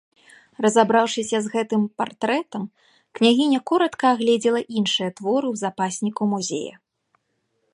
Разабраўшыся з гэтым партрэтам, княгіня коратка агледзела іншыя творы ў запасніку музея.